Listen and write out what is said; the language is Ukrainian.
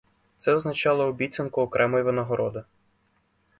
Це означало обіцянку окремої винагороди.